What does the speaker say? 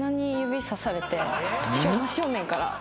「真っ正面から」